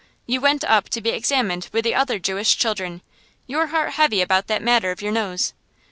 You went up to be examined with the other Jewish children, your heart heavy about that matter of your nose.